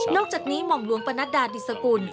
นอกจากนี้มองลวงประณะดาษฎิสกุล